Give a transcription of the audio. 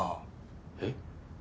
えっ？